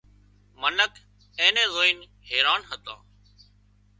منک اين نين زوئينَ حيران هتان